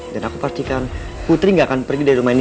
dan aku perhatikan putri gak akan pergi dari rumah ini